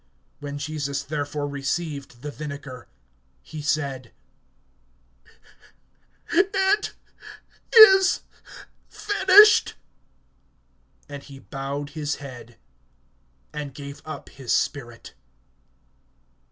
(30)When Jesus therefore received the vinegar, he said: It is finished; and he bowed his head, and gave up his spirit.